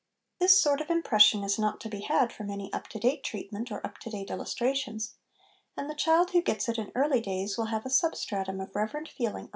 This sort of impression is not to be had from any up to date treatment, or up to date illustrations ; and the child who gets it in early days, will have a substratum of reverent feeling upon 1 See Appendix A.